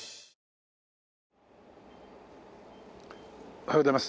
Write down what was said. おはようございます。